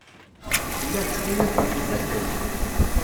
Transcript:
Lliɣ ttɣimiɣ ɣef yifadden.